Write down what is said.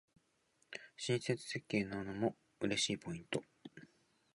親切設計なのも嬉しいポイント